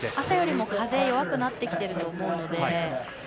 朝より風が弱くなってきていると思うので。